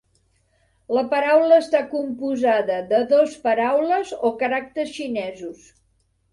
La paraula està composada de dos paraules o caràcters xinesos.